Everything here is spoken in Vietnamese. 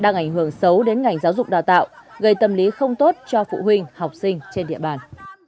giấu đến ngành giáo dục đào tạo gây tâm lý không tốt cho phụ huynh học sinh trên địa bàn